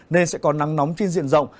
nên sẽ có nắng nóng trên diện rộng